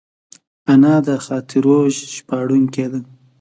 انا د خاطرو ژباړونکې ده